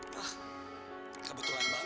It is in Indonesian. wah kebetulan banget